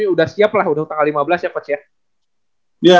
udah siap lah tanggal lima belas ya coach ya